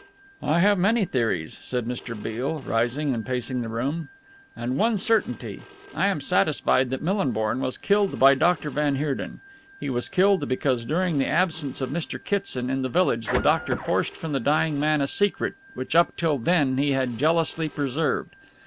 "I have many theories," said Mr. Beale, rising and pacing the room, "and one certainty. I am satisfied that Millinborn was killed by Doctor van Heerden. He was killed because, during the absence of Mr. Kitson in the village, the doctor forced from the dying man a secret which up till then he had jealously preserved.